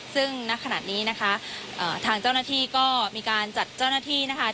ซึ่งณขณะนี้นะคะทางเจ้าหน้าที่ก็มีการจัดเจ้าหน้าที่นะคะ